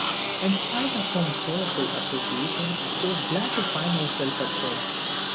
In spite of home's sorrowful association she was glad to find herself at home.